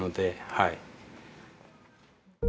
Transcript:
はい。